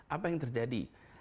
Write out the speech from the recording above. apa yang terjadi